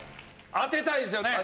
当てたいですよね。